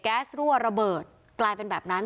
รั่วระเบิดกลายเป็นแบบนั้น